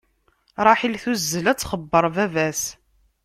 Ṛaḥil tuzzel ad txebbeṛ baba-s.